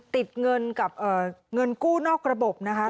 ติดเงินกับเงินกู้นอกระบบนะคะ